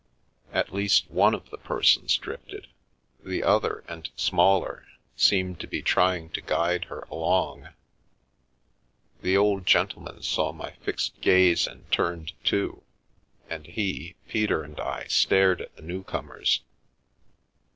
At least, one of the persons drifted; the other and smaller, seemed to be trying to guide her along. The old gentleman saw my fixed gaze and turned too, and he, Peter and I stared at the newcomers.